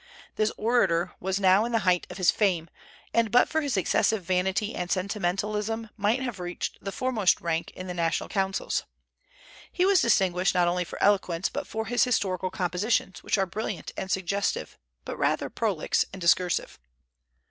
This orator was now in the height of his fame, and but for his excessive vanity and sentimentalism might have reached the foremost rank in the national councils. He was distinguished not only for eloquence, but for his historical compositions, which are brilliant and suggestive, but rather prolix and discursive.